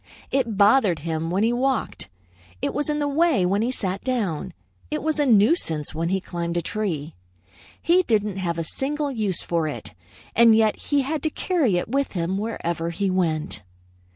It bothered him when he walked. It was in the way when he sat down. It was a nuisance when he climbed a tree. He didn't have a single use for it, and yet he had to carry it with him wherever he went.